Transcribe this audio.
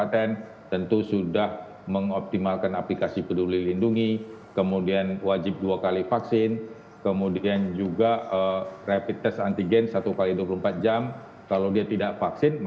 lalu setelah dilakukan pcr positif